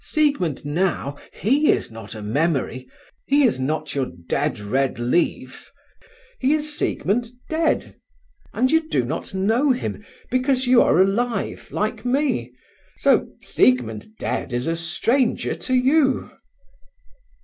"Siegmund now—he is not a memory—he is not your dead red leaves—he is Siegmund Dead! And you do not know him, because you are alive, like me, so Siegmund Dead is a stranger to you."